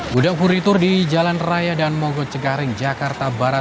gudang furnitur di daan mogot cengkareng jakarta barat